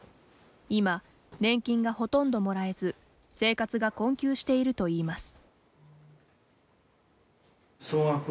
今、年金がほとんどもらえず生活が困窮しているといいます。